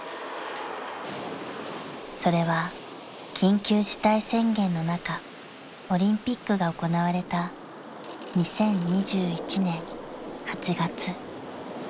［それは緊急事態宣言の中オリンピックが行われた２０２１年８月］